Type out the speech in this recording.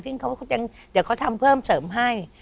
ที่เขาจะเดี๋ยวเขาทำเพิ่มเสริมให้